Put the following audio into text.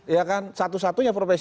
ya kan satu satunya profesi